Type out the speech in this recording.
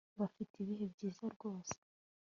bafite ibihe byiza rwose